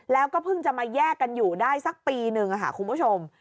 แล้วก็เพิ่งจะมาแยกกันอยู่ได้สักปีหนึ่งค่ะคุณผู้ชม